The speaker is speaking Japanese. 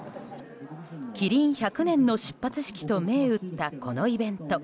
麒麟百年の出発式と銘打ったこのイベント。